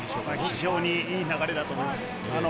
非常にいい流れだと思います。